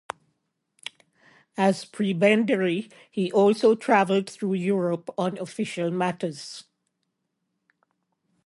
As prebendary he also travelled through Europe on official matters.